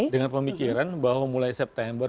dengan pemikiran bahwa mulai september